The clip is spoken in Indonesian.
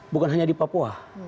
bukan hanya di papua